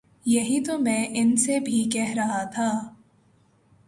یہی تو میں ان سے بھی کہہ رہا تھا